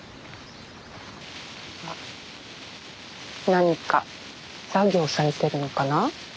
何か作業されてるのかな？